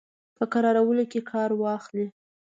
په کرارولو کې کار واخلي.